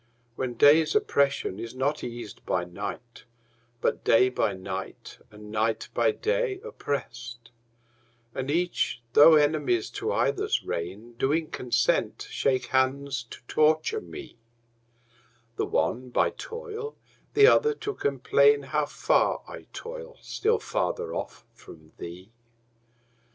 When day's oppression is not eas'd by night, But day by night and night by day oppress'd, And each, though enemies to either's reign, Do in consent shake hands to torture me, The one by toil, the other to complain How far I toil, still farther off from thee.